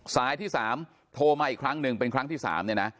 สายที่๓โทรมาอีกครั้งหนึ่งเป็นครั้งที่๓เนี่ยนะ